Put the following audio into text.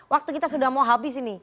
waktu kita sudah mau habis ini